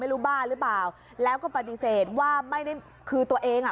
บ้าหรือเปล่าแล้วก็ปฏิเสธว่าไม่ได้คือตัวเองอ่ะ